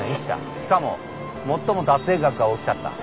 しかも最も脱税額が大きかった。